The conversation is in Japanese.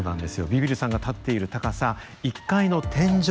ビビるさんが立っている高さ１階の天井。